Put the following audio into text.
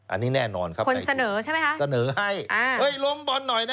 อันนี้แน่นอนครับใกล้ทุนสเนอให้เอ้ยล้มบอลหน่อยนะ